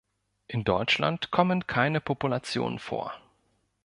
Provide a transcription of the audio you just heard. In Deutschland kommen keine Populationen vor.